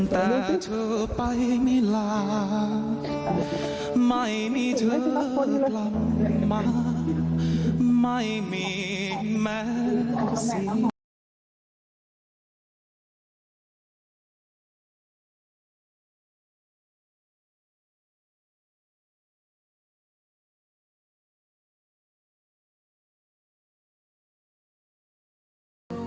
แต่เธอไปไม่ลาไม่มีเธอกลับมาไม่มีแม้สิ่งที่ไม่รู้จะทำยังไงกับบรรยากาศตรงนี้